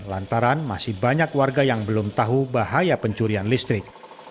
lantaran masih banyak warga yang belum tahu bahaya pencurian listrik